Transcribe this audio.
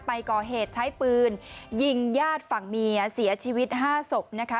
ไปก่อเหตุใช้ปืนยิงญาติฝั่งเมียเสียชีวิต๕ศพนะคะ